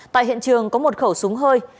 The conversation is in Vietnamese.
tại hiện trường có một khẩu súng hơi